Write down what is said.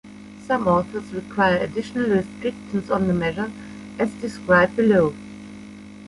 Some authors require additional restrictions on the measure, as described below.